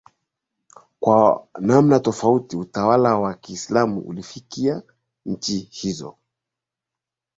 kwa namna tofauti Utawala wa Kiislamu ulifikia nchi hizo